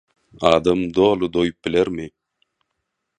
Adam doly doýup bilermi?